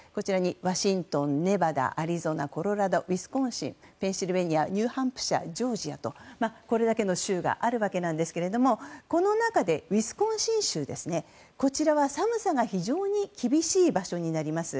ワシントンネバダ、アリゾナ、コロラドウィスコンシンペンシルベニアニューハンプシャージョージアとこれだけの州があるわけですがこの中でウィスコンシン州こちらは寒さが非常に厳しい場所になります。